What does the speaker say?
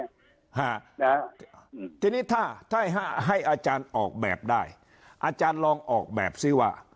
ฮะแล้วทีนี้ถ้าถ้าให้อาจารย์ออกแบบได้อาจารย์ลองออกแบบซิว่า